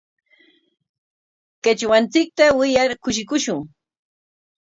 Qichwanchikta wiyar kushikushun.